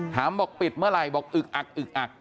บอกปิดเมื่อไหร่บอกอึกอักอึกอัก